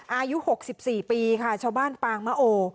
อายุ๖๔ปีค่ะชาวบ้านปางมะโอ